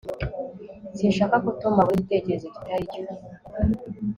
sinshaka ko tom abona igitekerezo kitari cyo